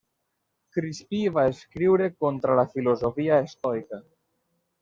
Crispí va escriure contra la filosofia estoica.